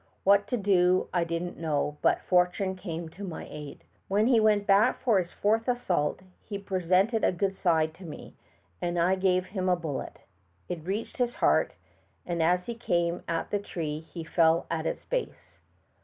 What to do I did n't know, but fortune came to my aid. When he went back for his fourth assault he presented a good side to me, and I gave him a bul let. It reached his heart, and as he came at the tree he fell at its base.